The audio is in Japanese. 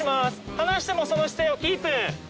離してもその姿勢をキープ。